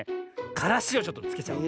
からしをちょっとつけちゃう。